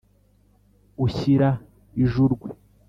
ushyira i jurwe